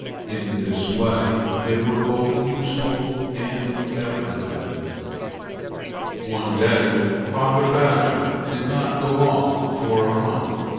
In this way they were both useful and decorative. One day father badger did not go off for a hunt.